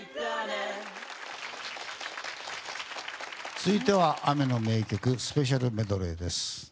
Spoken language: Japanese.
続いては雨の名曲スペシャルメドレーです。